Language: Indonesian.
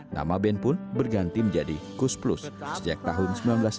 nama ben pun berganti menjadi kus plus sejak tahun seribu sembilan ratus sembilan puluh